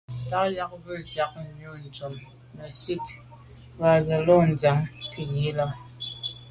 Tà yag num ntsiag yub ntùm metsit ba’ ze bo lo’ a ndian nkut yi là.